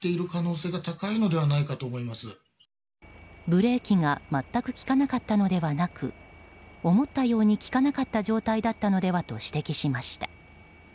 ブレーキが全く利かなかったのではなく思ったように利かなかった状態だったのではと指摘しました。